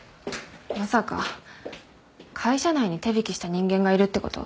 まさか会社内に手引きした人間がいるってこと？